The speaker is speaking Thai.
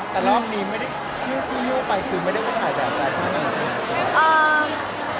แต่รอบนี้ไม่ได้ที่ยุ่งไปคือไม่ได้ไปถ่ายแบบร้ายชีวิต